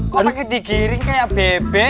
kok pake di giring kayak bebek